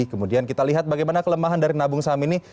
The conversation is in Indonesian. kemudian kita lihat bagaimana kelemahan dari nabung saham ini